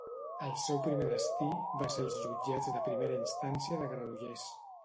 El seu primer destí va ser els jutjats de primera instància de Granollers.